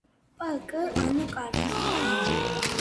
პკ ანუ კარგად